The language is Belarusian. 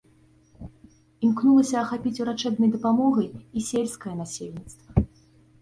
Імкнулася ахапіць урачэбнай дапамогай і сельскае насельніцтва.